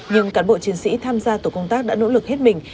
nhưng cán bộ chiến sĩ tham gia tổ công tác đã nỗ lực hết mình